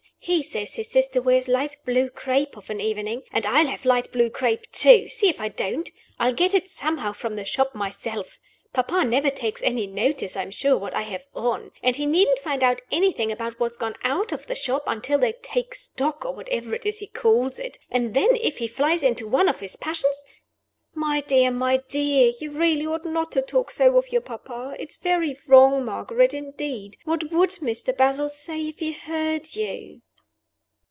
He says his sister wears light blue crape of an evening; and I'll have light blue crape, too see if I don't! I'll get it somehow from the shop, myself. Papa never takes any notice, I'm sure, what I have on; and he needn't find out anything about what's gone out of the shop, until they 'take stock,' or whatever it is he calls it. And then, if he flies into one of his passions " "My dear! my dear! you really ought not to talk so of your papa it is very wrong, Margaret, indeed what would Mr. Basil say if he heard you?"